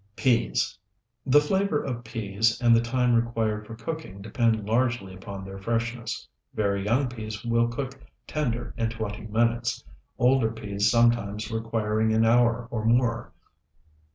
PEAS The flavor of peas and the time required for cooking depend largely upon their freshness. Very young peas will cook tender in twenty minutes, older peas sometimes requiring an hour or more.